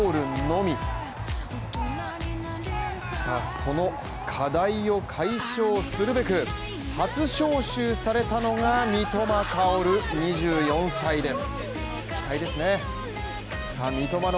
実はその課題を解消するべく、初招集されたのが三笘薫２４歳です